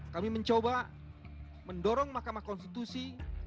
kami mencoba mendorong mahkamah konstitusi